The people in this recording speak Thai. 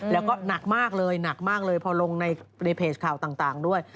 แล้วก็หนักมากเลยหนักมากเลยพอลงในเพจข่าวต่างด้วย